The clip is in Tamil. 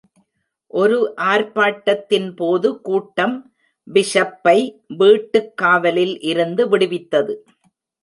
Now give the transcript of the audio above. ஒரு ஆர்ப்பாட்டத்தின் போது, கூட்டம் பிஷப்பை வீட்டுக் காவலில் இருந்து விடுவித்தது.